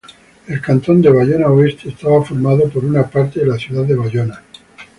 El cantón de Bayona-Oeste estaba formado por una parte de la ciudad de Bayona.